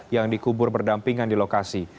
yang dikubur berdampingan di lokasi